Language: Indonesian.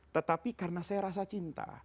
tetapi karena saya rasa cinta